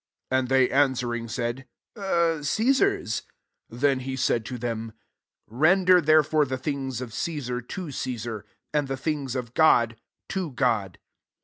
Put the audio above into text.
And they answering, said, "Cesar's." 25 Then he said to them, " Render there fore the things of Cesar, to Ce sar; and the things of God> to God."